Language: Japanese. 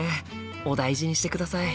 お大事にしてください。